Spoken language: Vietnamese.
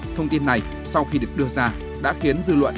thông tin này sau khi được đưa ra đã khiến dư luận